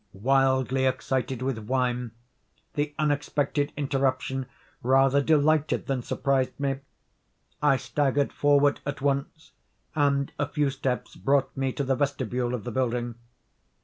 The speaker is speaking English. Wildly excited with wine, the unexpected interruption rather delighted than surprised me. I staggered forward at once, and a few steps brought me to the vestibule of the building.